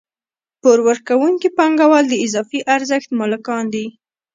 پور ورکوونکي پانګوال د اضافي ارزښت مالکان دي